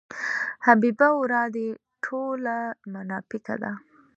حبیبه ورا دې ټوله مناپیکه ده.